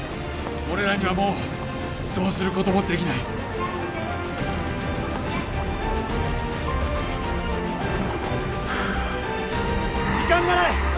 俺らにはもうどうすることもできない時間がない